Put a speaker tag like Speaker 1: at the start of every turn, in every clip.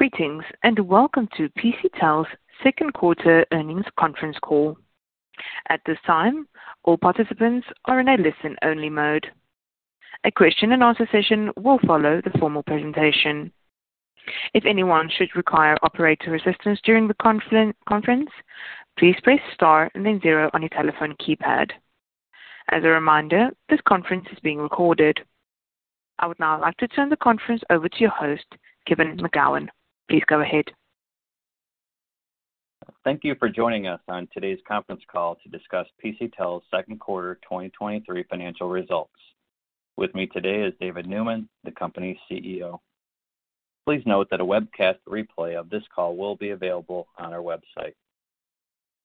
Speaker 1: Greetings, and welcome to PCTEL's second quarter earnings conference call. At this time, all participants are in a listen-only mode. A question-and-answer session will follow the formal presentation. If anyone should require operator assistance during the conference, please press Star and then zero on your telephone keypad. As a reminder, this conference is being recorded. I would now like to turn the conference over to your host, Kevin McGowan. Please go ahead.
Speaker 2: Thank you for joining us on today's conference call to discuss PCTEL's second quarter 2023 financial results. With me today is David Neumann, the company's CEO. Please note that a webcast replay of this call will be available on our website.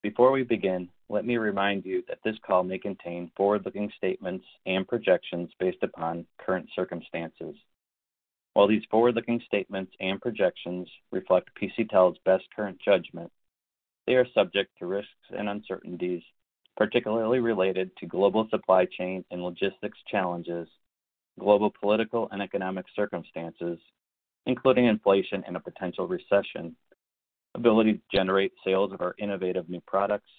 Speaker 2: Before we begin, let me remind you that this call may contain forward-looking statements and projections based upon current circumstances. While these forward-looking statements and projections reflect PCTEL's best current judgment, they are subject to risks and uncertainties, particularly related to global supply chain and logistics challenges, global political and economic circumstances, including inflation and a potential recession, ability to generate sales of our innovative new products,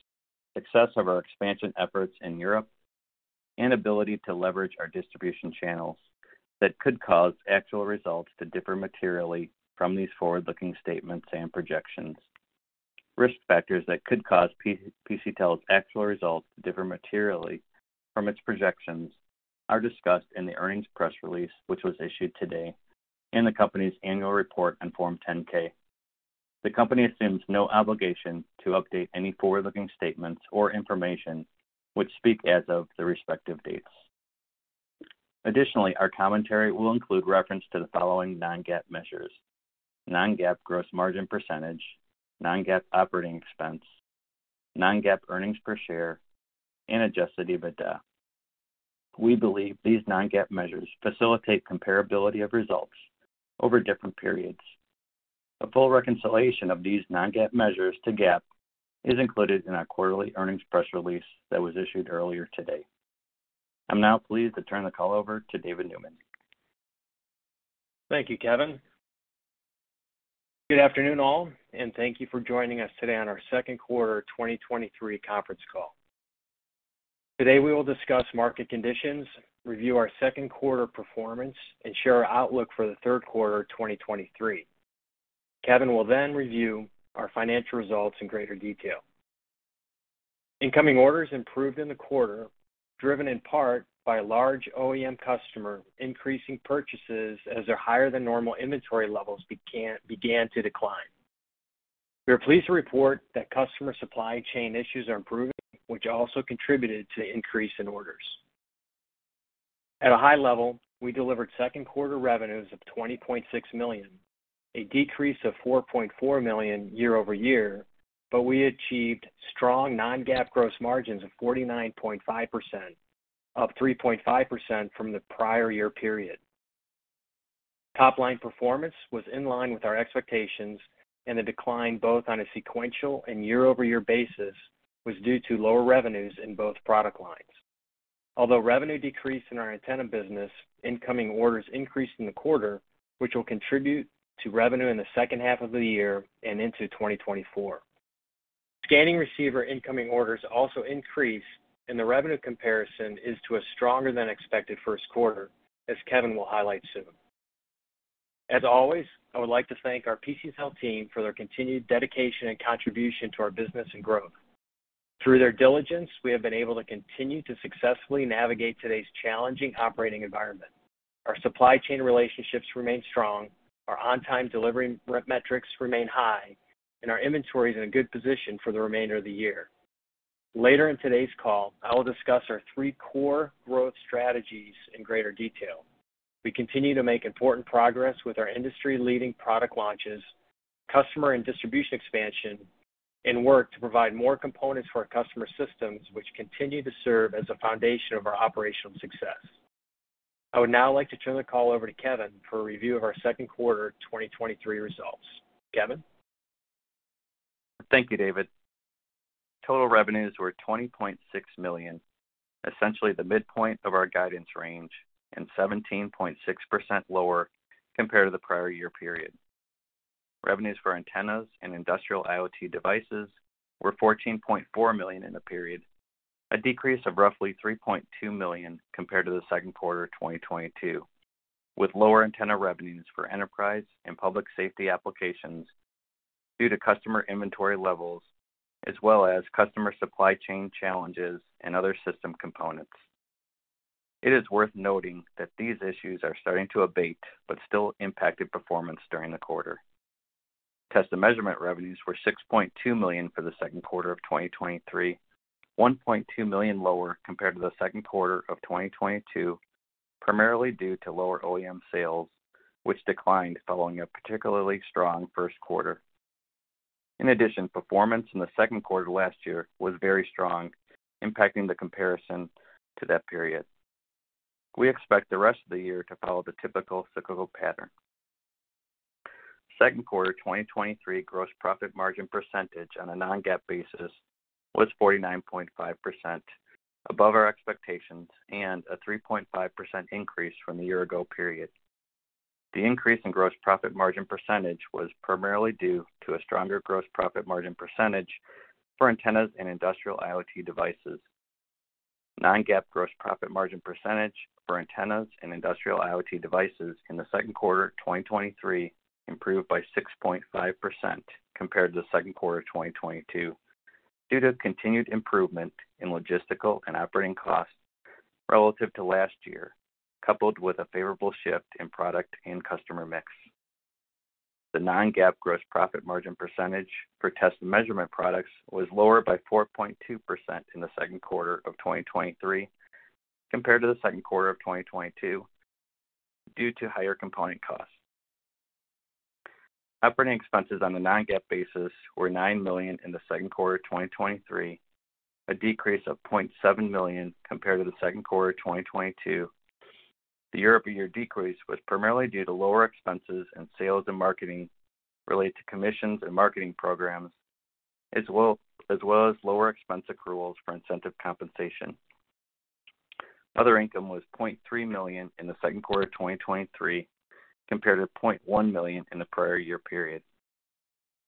Speaker 2: success of our expansion efforts in Europe, and ability to leverage our distribution channels that could cause actual results to differ materially from these forward-looking statements and projections. Risk factors that could cause PCTEL's actual results to differ materially from its projections are discussed in the earnings press release, which was issued today, and the company's annual report on Form 10-K. The company assumes no obligation to update any forward-looking statements or information, which speak as of the respective dates. Additionally, our commentary will include reference to the following non-GAAP measures: non-GAAP gross margin percentage, non-GAAP operating expense, non-GAAP earnings per share, and adjusted EBITDA. We believe these non-GAAP measures facilitate comparability of results over different periods. A full reconciliation of these non-GAAP measures to GAAP is included in our quarterly earnings press release that was issued earlier today. I'm now pleased to turn the call over to David Neumann.
Speaker 3: Thank you, Kevin. Good afternoon, all, and thank you for joining us today on our second quarter 2023 conference call. Today, we will discuss market conditions, review our second quarter performance, and share our outlook for the third quarter 2023. Kevin will review our financial results in greater detail. Incoming orders improved in the quarter, driven in part by a large OEM customer, increasing purchases as their higher-than-normal inventory levels began to decline. We are pleased to report that customer supply chain issues are improving, which also contributed to the increase in orders. At a high level, we delivered second quarter revenues of $20.6 million, a decrease of $4.4 million year-over-year, we achieved strong non-GAAP gross margins of 49.5%, up 3.5% from the prior year period. Top-line performance was in line with our expectations, and the decline, both on a sequential and year-over-year basis, was due to lower revenues in both product lines. Although revenue decreased in our antenna business, incoming orders increased in the quarter, which will contribute to revenue in the second half of the year and into 2024. Scanning receiver incoming orders also increased, and the revenue comparison is to a stronger than expected first quarter, as Kevin will highlight soon. As always, I would like to thank our PCTEL team for their continued dedication and contribution to our business and growth. Through their diligence, we have been able to continue to successfully navigate today's challenging operating environment. Our supply chain relationships remain strong, our on-time delivery metrics remain high, and our inventory is in a good position for the remainder of the year. Later in today's call, I will discuss our three core growth strategies in greater detail. We continue to make important progress with our industry-leading product launches, customer and distribution expansion, and work to provide more components for our customer systems, which continue to serve as a foundation of our operational success. I would now like to turn the call over to Kevin for a review of our second quarter 2023 results. Kevin?
Speaker 2: Thank you, David. Total revenues were $20.6 million, essentially the midpoint of our guidance range, and 17.6% lower compared to the prior year period. Revenues for antennas and Industrial IoT devices were $14.4 million in the period, a decrease of roughly $3.2 million compared to the second quarter of 2022, with lower antenna revenues for enterprise and public safety applications due to customer inventory levels, as well as customer supply chain challenges and other system components. It is worth noting that these issues are starting to abate but still impacted performance during the quarter. Test and measurement revenues were $6.2 million for the second quarter of 2023, $1.2 million lower compared to the second quarter of 2022, primarily due to lower OEM sales, which declined following a particularly strong first quarter. In addition, performance in the second quarter last year was very strong, impacting the comparison to that period. We expect the rest of the year to follow the typical cyclical pattern. Second quarter 2023 gross profit margin percentage on a non-GAAP basis was 49.5%, above our expectations and a 3.5% increase from the year ago period. The increase in gross profit margin percentage was primarily due to a stronger gross profit margin percentage for antennas and Industrial IoT devices. Non-GAAP gross profit margin percentage for antennas and Industrial IoT devices in the second quarter of 2023 improved by 6.5% compared to the second quarter of 2022, due to continued improvement in logistical and operating costs relative to last year, coupled with a favorable shift in product and customer mix. The non-GAAP gross profit margin percentage for test and measurement products was lower by 4.2% in the second quarter of 2023 compared to the second quarter of 2022, due to higher component costs. Operating expenses on a non-GAAP basis were $9 million in the second quarter of 2023, a decrease of $0.7 million compared to the second quarter of 2022. The year-over-year decrease was primarily due to lower expenses and sales and marketing related to commissions and marketing programs, as well as lower expense accruals for incentive compensation. Other income was $0.3 million in the second quarter of 2023, compared to $0.1 million in the prior year period.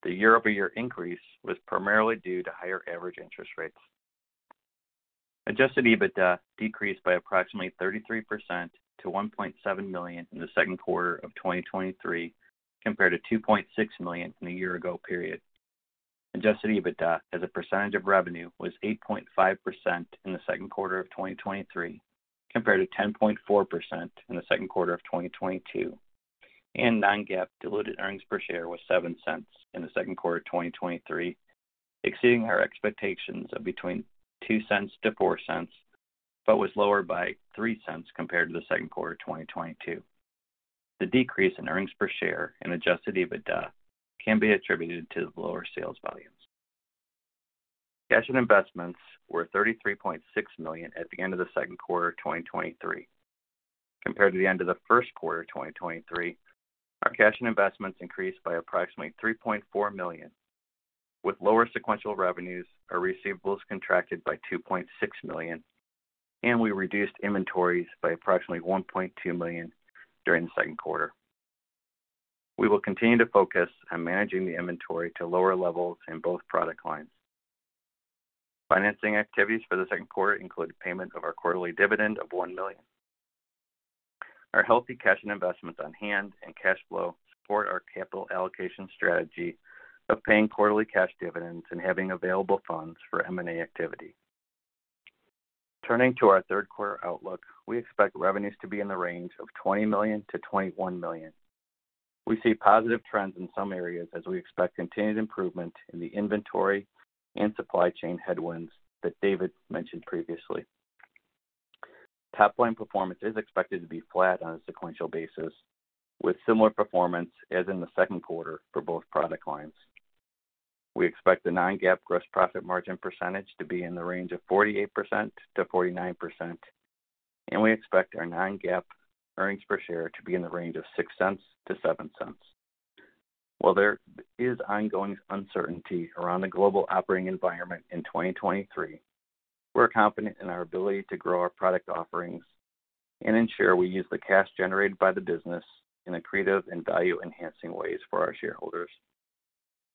Speaker 2: The year-over-year increase was primarily due to higher average interest rates. Adjusted EBITDA decreased by approximately 33% to $1.7 million in the second quarter of 2023, compared to $2.6 million in the year ago period. Adjusted EBITDA as a percentage of revenue, was 8.5% in the second quarter of 2023, compared to 10.4% in the second quarter of 2022. Non-GAAP diluted earnings per share was $0.07 in the second quarter of 2023, exceeding our expectations of between $0.02-$0.04, but was lower by $0.03 compared to the second quarter of 2022. The decrease in earnings per share and Adjusted EBITDA can be attributed to the lower sales volumes. Cash and investments were $33.6 million at the end of the second quarter of 2023. Compared to the end of the first quarter of 2023, our cash and investments increased by approximately $3.4 million. With lower sequential revenues, our receivables contracted by $2.6 million, and we reduced inventories by approximately $1.2 million during the second quarter. We will continue to focus on managing the inventory to lower levels in both product lines. Financing activities for the second quarter include payment of our quarterly dividend of $1 million. Our healthy cash and investments on hand and cash flow support our capital allocation strategy of paying quarterly cash dividends and having available funds for M&A activity. Turning to our third quarter outlook, we expect revenues to be in the range of $20 million-$21 million. We see positive trends in some areas as we expect continued improvement in the inventory and supply chain headwinds that David mentioned previously. Top-line performance is expected to be flat on a sequential basis, with similar performance as in the second quarter for both product lines. We expect the non-GAAP gross profit margin percentage to be in the range of 48%-49%, and we expect our non-GAAP earnings per share to be in the range of $0.06-$0.07. While there is ongoing uncertainty around the global operating environment in 2023, we're confident in our ability to grow our product offerings and ensure we use the cash generated by the business in creative and value-enhancing ways for our shareholders.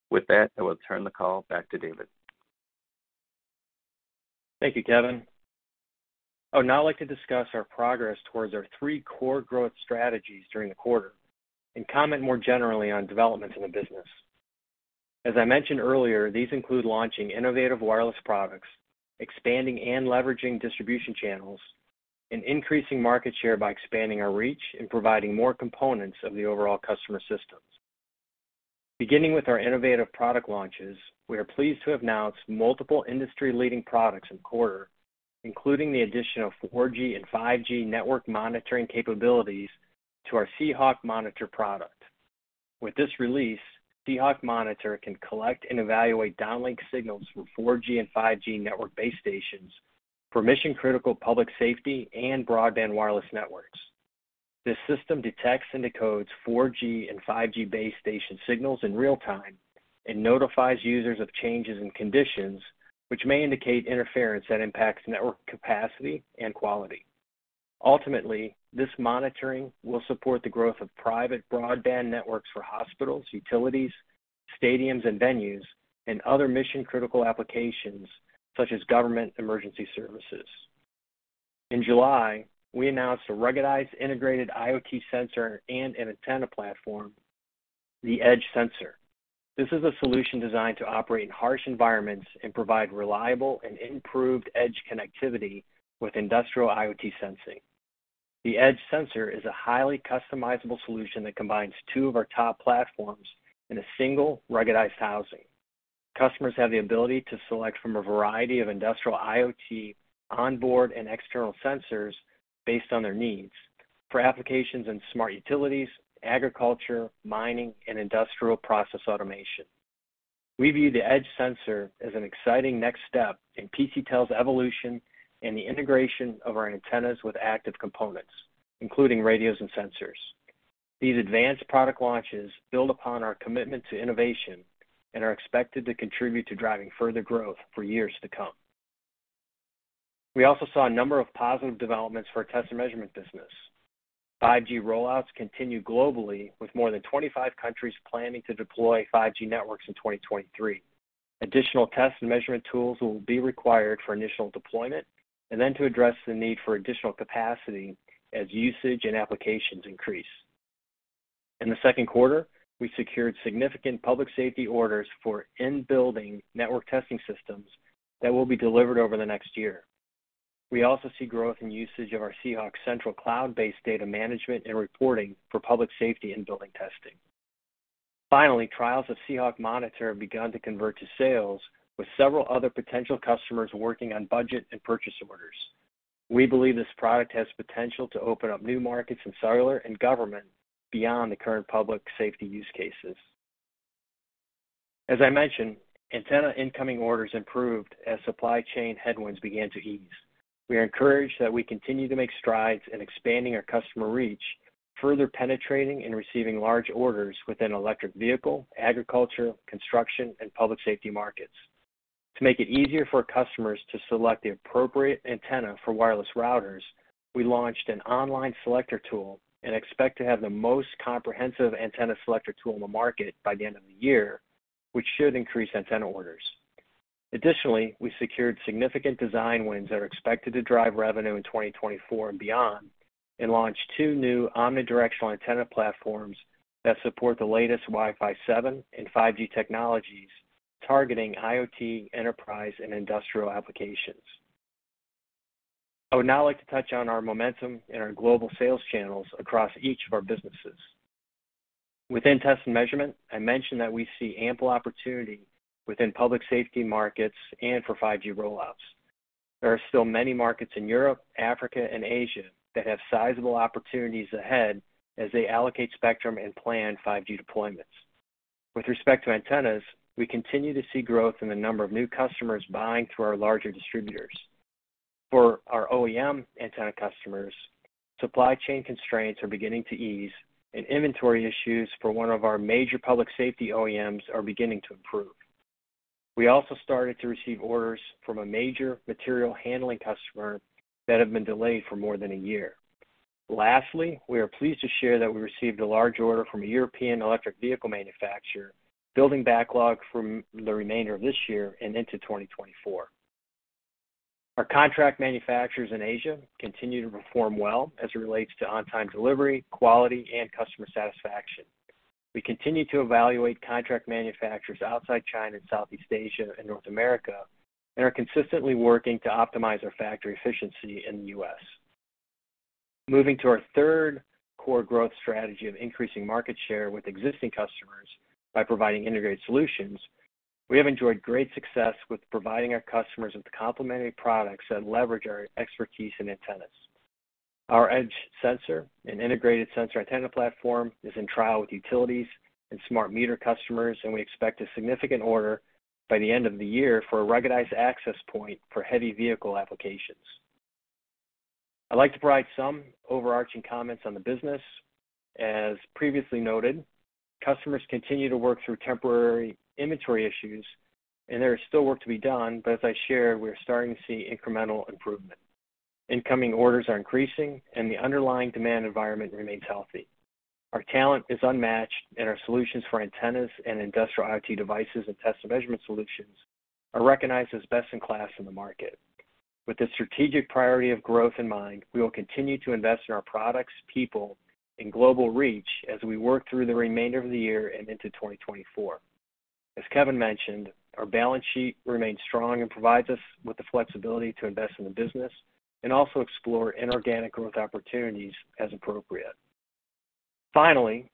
Speaker 2: With that, I will turn the call back to David.
Speaker 3: Thank you, Kevin. I would now like to discuss our progress towards our three core growth strategies during the quarter and comment more generally on developments in the business. As I mentioned earlier, these include launching innovative wireless products, expanding and leveraging distribution channels, and increasing market share by expanding our reach and providing more components of the overall customer systems. Beginning with our innovative product launches, we are pleased to have announced multiple industry-leading products in quarter, including the addition of 4G and 5G network monitoring capabilities to our SeeHawk Monitor product. With this release, SeeHawk Monitor can collect and evaluate downlink signals from 4G and 5G network base stations for mission-critical public safety and broadband wireless networks. This system detects and decodes 4G and 5G base station signals in real time and notifies users of changes in conditions which may indicate interference that impacts network capacity and quality. Ultimately, this monitoring will support the growth of private broadband networks for hospitals, utilities, stadiums and venues, and other mission-critical applications such as government emergency services. In July, we announced a ruggedized, integrated IoT sensor and an antenna platform, the Edge Sensor. This is a solution designed to operate in harsh environments and provide reliable and improved edge connectivity with Industrial IoT sensing. The Edge Sensor is a highly customizable solution that combines two of our top platforms in a single, ruggedized housing. Customers have the ability to select from a variety of Industrial IoT onboard and external sensors based on their needs for applications in smart utilities, agriculture, mining, and industrial process automation. We view the Edge Sensor as an exciting next step in PCTEL's evolution and the integration of our antennas with active components, including radios and sensors... These advanced product launches build upon our commitment to innovation and are expected to contribute to driving further growth for years to come. We also saw a number of positive developments for our test and measurement business. 5G rollouts continue globally, with more than 25 countries planning to deploy 5G networks in 2023. Additional test and measurement tools will be required for initial deployment and then to address the need for additional capacity as usage and applications increase. In the second quarter, we secured significant public safety orders for in-building network testing systems that will be delivered over the next year. We also see growth in usage of our SeeHawk Central cloud-based data management and reporting for public safety in building testing. Finally, trials of SeeHawk Monitor have begun to convert to sales, with several other potential customers working on budget and purchase orders. We believe this product has potential to open up new markets in cellular and government beyond the current public safety use cases. As I mentioned, antenna incoming orders improved as supply chain headwinds began to ease. We are encouraged that we continue to make strides in expanding our customer reach, further penetrating and receiving large orders within electric vehicle, agriculture, construction, and public safety markets. To make it easier for customers to select the appropriate antenna for wireless routers, we launched an online selector tool and expect to have the most comprehensive antenna selector tool on the market by the end of the year, which should increase antenna orders. Additionally, we secured significant design wins that are expected to drive revenue in 2024 and beyond, and launched two new omnidirectional antenna platforms that support the latest Wi-Fi 7 and 5G technologies, targeting IoT, enterprise, and industrial applications. I would now like to touch on our momentum in our global sales channels across each of our businesses. Within test and measurement, I mentioned that we see ample opportunity within public safety markets and for 5G rollouts. There are still many markets in Europe, Africa, and Asia that have sizable opportunities ahead as they allocate spectrum and plan 5G deployments. With respect to antennas, we continue to see growth in the number of new customers buying through our larger distributors. For our OEM antenna customers, supply chain constraints are beginning to ease, and inventory issues for one of our major public safety OEMs are beginning to improve. We also started to receive orders from a major material handling customer that have been delayed for more than 1 year. Lastly, we are pleased to share that we received a large order from a European electric vehicle manufacturer, building backlog from the remainder of this year and into 2024. Our contract manufacturers in Asia continue to perform well as it relates to on-time delivery, quality, and customer satisfaction. We continue to evaluate contract manufacturers outside China and Southeast Asia and North America, and are consistently working to optimize our factory efficiency in the U.S. Moving to our third core growth strategy of increasing market share with existing customers by providing integrated solutions, we have enjoyed great success with providing our customers with complementary products that leverage our expertise in antennas. Our Edge Sensor and integrated sensor antenna platform is in trial with utilities and smart meter customers, and we expect a significant order by the end of the year for a ruggedized access point for heavy vehicle applications. I'd like to provide some overarching comments on the business. As previously noted, customers continue to work through temporary inventory issues and there is still work to be done, but as I shared, we are starting to see incremental improvement. Incoming orders are increasing and the underlying demand environment remains healthy. Our talent is unmatched, and our solutions for antennas and Industrial IoT devices and test and measurement solutions are recognized as best in class in the market. With the strategic priority of growth in mind, we will continue to invest in our products, people, and global reach as we work through the remainder of the year and into 2024. As Kevin mentioned, our balance sheet remains strong and provides us with the flexibility to invest in the business and also explore inorganic growth opportunities as appropriate. Finally,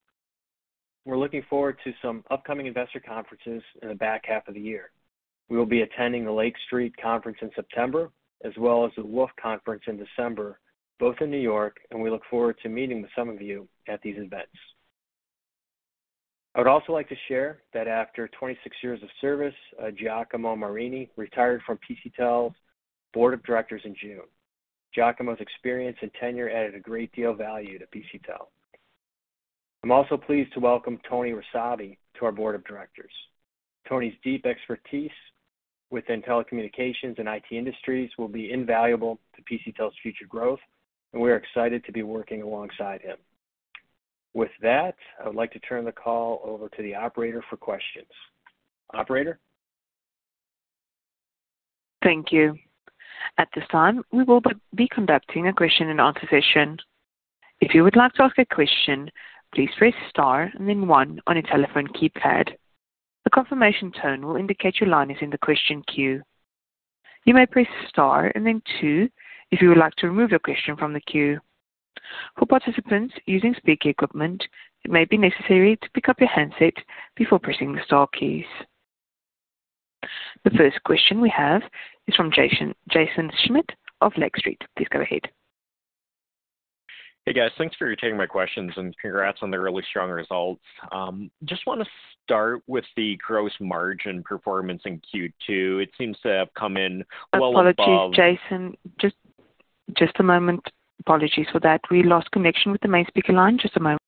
Speaker 3: we're looking forward to some upcoming investor conferences in the back half of the year. We will be attending the Lake Street Conference in September, as well as the Wolfe Conference in December, both in New York. We look forward to meeting with some of you at these events. I would also like to share that after 26 years of service, Giacomo Marini retired from PCTEL's board of directors in June. Giacomo's experience and tenure added a great deal of value to PCTEL. I'm also pleased to welcome Tony Rossabi to our board of directors. Tony's deep expertise within telecommunications and IT industries will be invaluable to PCTEL's future growth. We are excited to be working alongside him. With that, I would like to turn the call over to the operator for questions. Operator?
Speaker 1: Thank you. At this time, we will be conducting a question and answer session. If you would like to ask a question, please press star and then one on your telephone keypad. A confirmation tone will indicate your line is in the question queue. You may press star and then two if you would like to remove your question from the queue. For participants using speaker equipment, it may be necessary to pick up your handset before pressing the star keys. The first question we have is from Jaeson Schmidt of Lake Street. Please go ahead.
Speaker 4: Hey, guys. Thanks for taking my questions, and congrats on the really strong results. Just want to start with the gross margin performance in Q2. It seems to have come in well above-
Speaker 1: Apologies, Jaeson. Just a moment. Apologies for that. We lost connection with the main speaker line. Just a moment.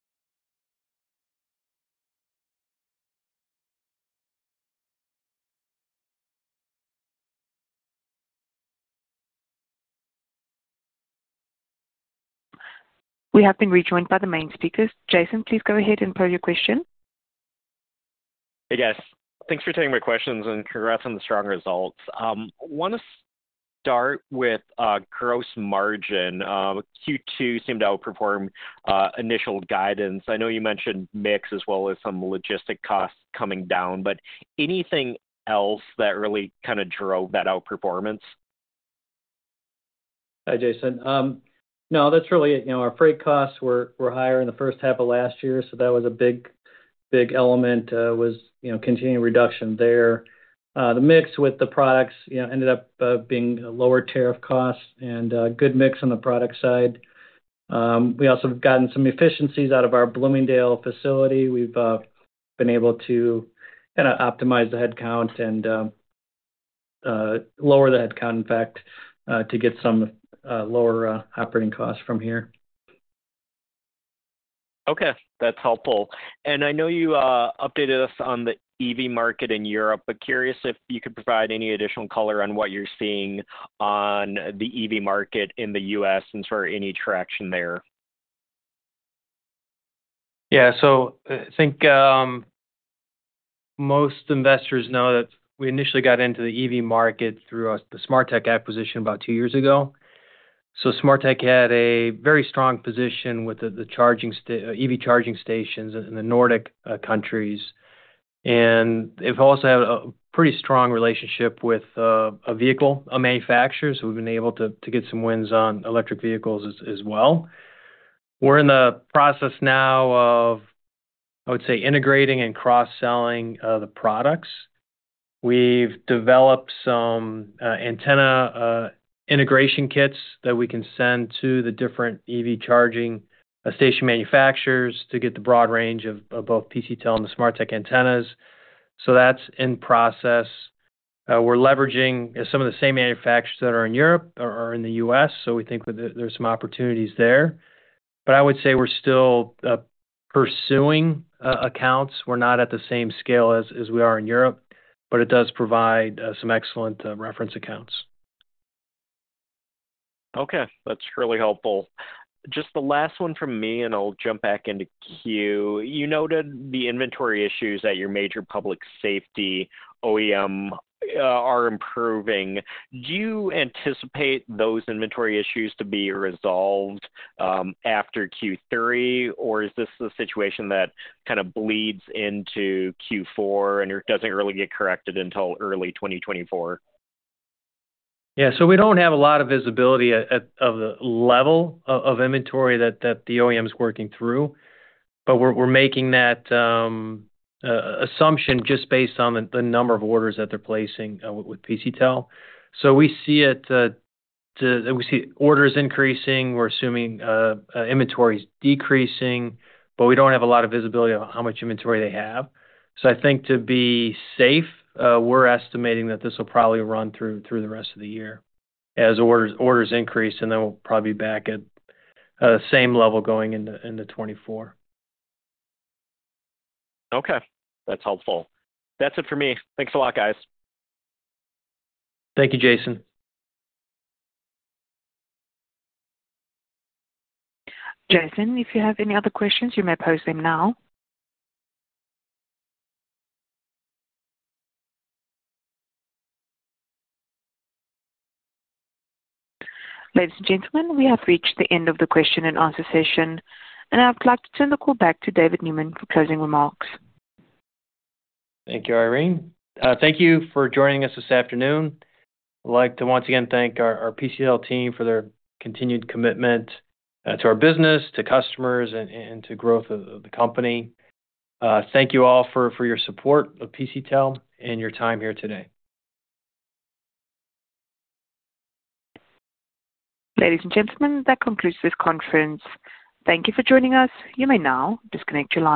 Speaker 1: We have been rejoined by the main speakers. Jaeson, please go ahead and pose your question.
Speaker 4: Hey, guys. Thanks for taking my questions and congrats on the strong results. I want to start with gross margin. Q2 seemed to outperform initial guidance. I know you mentioned mix as well as some logistic costs coming down, but anything else that really kind of drove that outperformance?
Speaker 3: Hi, Jaeson. No, that's really it. You know, our freight costs were, were higher in the first half of last year, so that was a big, big element, was, you know, continuing reduction there. The mix with the products, you know, ended up being a lower tariff cost and good mix on the product side. We also have gotten some efficiencies out of our Bloomingdale facility. We've been able to kind of optimize the headcount and lower the headcount, in fact, to get some lower operating costs from here.
Speaker 4: Okay, that's helpful. I know you updated us on the EV market in Europe, but curious if you could provide any additional color on what you're seeing on the EV market in the U.S. and sort of any traction there.
Speaker 3: Yeah. I think most investors know that we initially got into the EV market through the Smarteq acquisition about two years ago. Smarteq had a very strong position with the EV charging stations in the Nordic countries, and they've also had a pretty strong relationship with a vehicle manufacturer, so we've been able to get some wins on electric vehicles as well. We're in the process now of, I would say, integrating and cross-selling the products. We've developed some antenna integration kits that we can send to the different EV charging station manufacturers to get the broad range of both PCTEL and the Smarteq antennas. That's in process. We're leveraging some of the same manufacturers that are in Europe or, or in the U.S. We think that there's some opportunities there. I would say we're still pursuing accounts. We're not at the same scale as, as we are in Europe. It does provide some excellent reference accounts.
Speaker 4: Okay, that's really helpful. Just the last one from me, and I'll jump back into queue. You noted the inventory issues at your major public safety OEM are improving. Do you anticipate those inventory issues to be resolved after Q3, or is this a situation that kind of bleeds into Q4 and it doesn't really get corrected until early 2024?
Speaker 3: We don't have a lot of visibility at of the level of, of inventory that, that the OEM is working through, but we're, we're making that assumption just based on the number of orders that they're placing with PCTEL. We see it, we see orders increasing. We're assuming inventory is decreasing, but we don't have a lot of visibility on how much inventory they have. I think to be safe, we're estimating that this will probably run through, through the rest of the year as orders, orders increase, and then we'll probably be back at the same level going into, into 2024.
Speaker 4: Okay, that's helpful. That's it for me. Thanks a lot, guys.
Speaker 3: Thank you, Jason.
Speaker 1: Jaeson, if you have any other questions, you may pose them now. Ladies and gentlemen, we have reached the end of the question and answer session. I'd like to turn the call back to David Neumann for closing remarks.
Speaker 3: Thank you, Irene. Thank you for joining us this afternoon. I'd like to once again thank our, our PCTEL team for their continued commitment, to our business, to customers, and, and to growth of, of the company. Thank you all for, for your support of PCTEL and your time here today.
Speaker 1: Ladies and gentlemen, that concludes this conference. Thank you for joining us. You may now disconnect your line.